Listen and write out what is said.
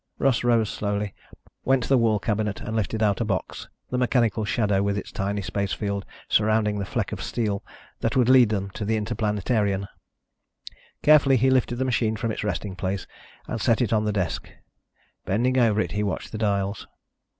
Russ rose slowly, went to the wall cabinet and lifted out a box, the mechanical shadow with its tiny space field surrounding the fleck of steel that would lead them to the Interplanetarian. Carefully he lifted the machine from its resting place and set it on the desk. Bending over it, he watched the dials.